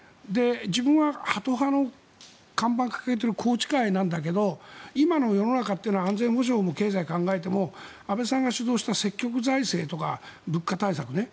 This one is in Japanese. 自分はハト派の看板を掲げている宏池会なんだけど今の世の中は安全保障や経済を考えても安倍さんが主導した積極財政とか物価対策ね